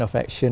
để tìm kiếm